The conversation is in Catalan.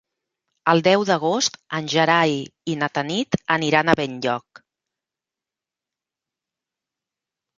El deu d'agost en Gerai i na Tanit aniran a Benlloc.